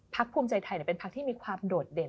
ภูมิใจไทยเป็นพักที่มีความโดดเด่น